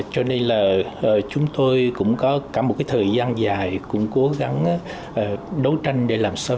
cho nên là chúng tôi cũng có cả một cái thời gian dài cũng cố gắng đấu tranh để làm sao